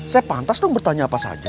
saya pantas dong bertanya apa saja